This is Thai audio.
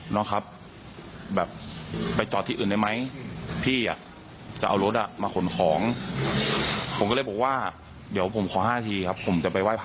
พอกลับมาถึงบ้านปรากฏว่าคุณวันน้าชัยบอกว่าเห็นข้อความบางอย่างที่กระจกเขียนเอาไว้ค่ะ